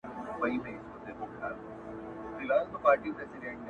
o لږ به خورم ارام به اوسم!